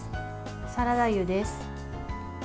サラダ油です。